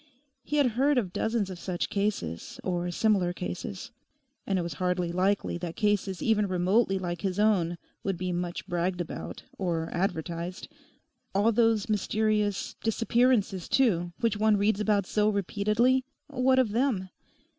He had heard of dozens of such cases, or similar cases. And it was hardly likely that cases even remotely like his own would be much bragged about, or advertised. All those mysterious 'disappearances,' too, which one reads about so repeatedly? What of them?